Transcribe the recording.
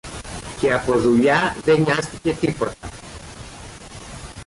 και από δουλειά δε νοιάστηκε τίποτα